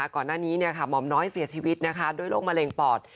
ก่อนหน้านี้หม่อมน้อยเสียชีวิตด้วยโรคมะเร็งปอด